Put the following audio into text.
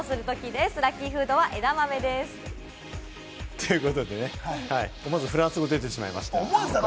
ということでね、思わずフランス語が出てしまいました。